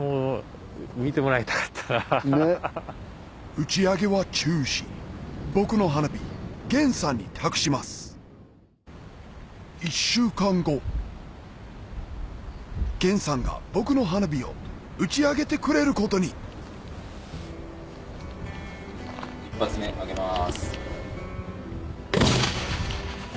打ち上げは中止僕の花火厳さんに託します厳さんが僕の花火を打ち上げてくれることに１発目上げます。